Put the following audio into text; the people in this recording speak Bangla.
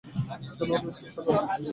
ধন্যবাদ মিস্টার ছাগল।